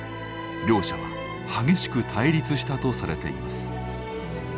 両者は激しく対立したとされています。